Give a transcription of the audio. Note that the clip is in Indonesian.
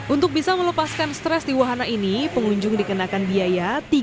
untuk bisa melepaskan stres di wahana ini pengunjung dikenakan biaya